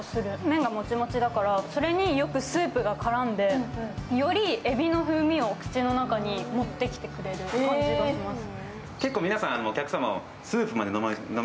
麺がもちもちだからそれによくスープが絡んでよりえびの風味を口の中に持ってきてくれる感じがします。